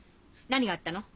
何があったの？